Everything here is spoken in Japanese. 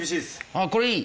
あっこれいい？